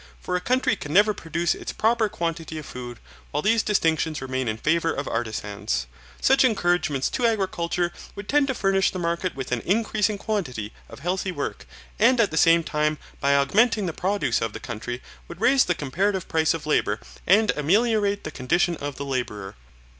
For a country can never produce its proper quantity of food while these distinctions remain in favour of artisans. Such encouragements to agriculture would tend to furnish the market with an increasing quantity of healthy work, and at the same time, by augmenting the produce of the country, would raise the comparative price of labour and ameliorate the condition of the labourer.